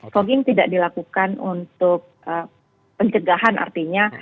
fogging tidak dilakukan untuk pencegahan artinya